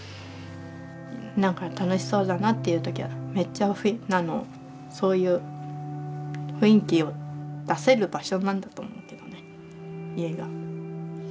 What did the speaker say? なんか楽しそうだなという時はめっちゃそういう雰囲気を出せる場所なんだと思うけどね家が。